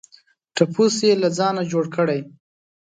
ټپوس یې له ځانه جوړ کړی.